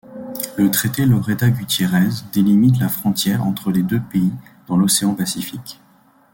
Le traité Lloreda-Gutiérrez délimite la frontière entre les deux pays dans l'océan Pacifique.